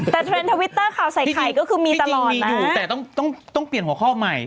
แต่เทรนด์ทวิตเตอร์ข่าวใส่ไข่ก็คือมีตลอดนะถูกแต่ต้องต้องเปลี่ยนหัวข้อใหม่